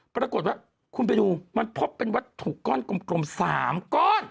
ปรากฏว่าคุณไปดูมันพบเป็นวัตถุก้อนกลม๓ก้อน